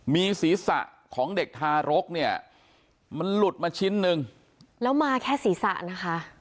มีศีรษะของเด็กทารกเนี่ยมันหลุดมาชิ้นหนึ่งแล้วมาแค่ศีรษะนะคะ